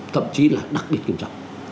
thậm chí là đặc biệt nghiêm trọng